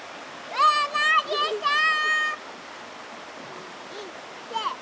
うなぎさん！